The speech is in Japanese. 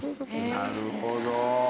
なるほど！